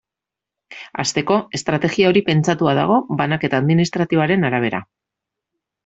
Hasteko, estrategia hori pentsatua dago banaketa administratiboaren arabera.